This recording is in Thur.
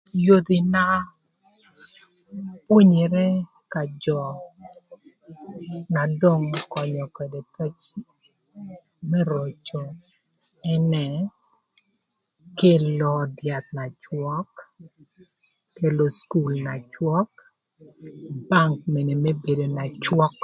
Yodhi na pwonyere ka jö na döngö ökönyö ködë paci më röcö ënë kelo öd yath na cwök, kelo cukul na cwök, Bang mënë më bedo na cwök.